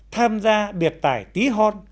tham gia biệt tài tí hon